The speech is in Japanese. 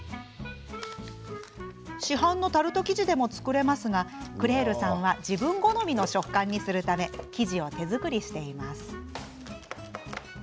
市販のタルト生地でも作れますがクレールさんは自分好みの食感にするため生地を手作りしています。